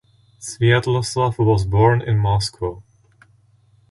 Svyatoslav was born in Moscow.